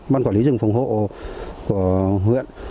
ban quản lý rừng phòng hộ của huyện